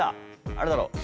あれだろ。